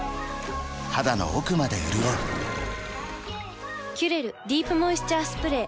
肌の奥まで潤う「キュレルディープモイスチャースプレー」